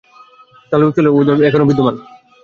তা লোক চলাচলের পথের পাশে এখনও বিদ্যমান।